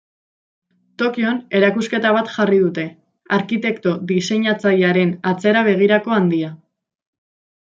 Tokion erakusketa bat jarri dute: arkitekto-diseinatzailearen atzera begirako handia.